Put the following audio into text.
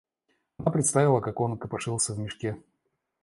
Она представила, как он копошился в мешке.